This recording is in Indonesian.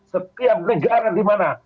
setiap negara dimana